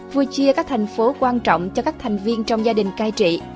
vừa chia các thành phố quan trọng cho các thành viên trong gia đình cai trị